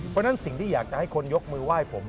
เพราะฉะนั้นสิ่งที่อยากจะให้คนยกมือไหว้ผม